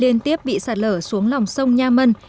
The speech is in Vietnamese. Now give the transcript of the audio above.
liên tiếp bị sạt lở xuống lòng sông nha mân